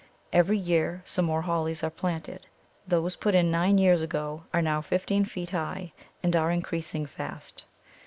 Every year some more Hollies are planted; those put in nine years ago are now fifteen feet high, and are increasing fast.